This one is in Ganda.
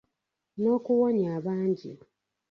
N’okuwonya abangi.